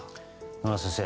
野村先生